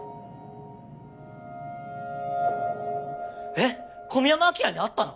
えっ小宮山アキラに会ったの？